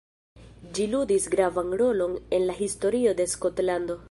Ĝi ludis gravan rolon en la historio de Skotlando.